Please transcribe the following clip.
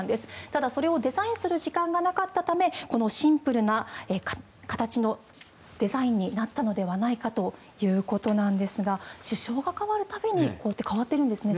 ただ、それをデザインする時間がなかったためこのシンプルな形のデザインになったのではないかということですが首相が代わる度にこうやって変わっているんですね。